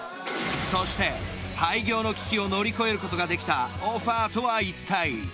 そして廃業の危機を乗り越えることができたオファーとは一体？